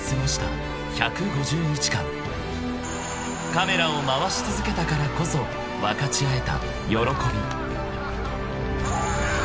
［カメラを回し続けたからこそ分かち合えた］